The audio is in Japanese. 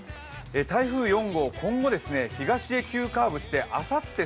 台風４号、今後、東へ急カーブしてあさって